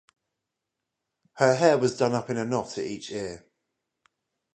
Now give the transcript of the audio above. Her hair was done up in a knot at each ear.